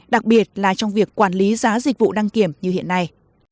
đặc biệt là trong việc quản lý giá dịch vụ đăng kiểm như hiện nay